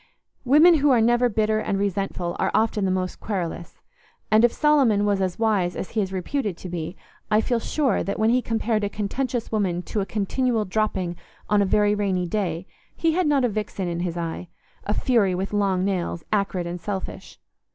Women who are never bitter and resentful are often the most querulous; and if Solomon was as wise as he is reputed to be, I feel sure that when he compared a contentious woman to a continual dropping on a very rainy day, he had not a vixen in his eye—a fury with long nails, acrid and selfish.